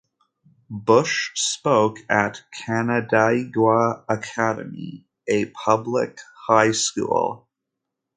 Bush spoke at Canandaigua Academy, a public high school.